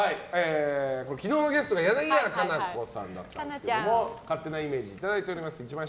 昨日のゲストの柳原可奈子さんからですけども勝手なイメージいただいております。